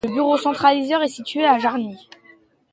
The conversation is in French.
Le bureau centralisateur est situé à Jarny.